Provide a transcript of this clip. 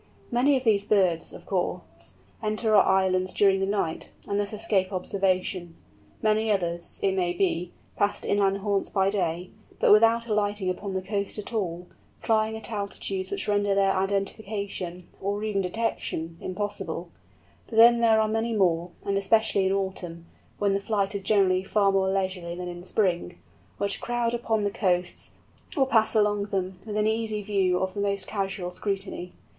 Many of these birds, of course, enter our islands during the night, and thus escape observation; many others, it may be, pass to inland haunts by day, but without alighting upon the coast at all, flying at altitudes which render their identification, or even detection, impossible; but then there are many more, and especially in autumn, when the flight is generally far more leisurely than in spring, which crowd upon the coasts, or pass along them, within easy view of the most casual scrutiny.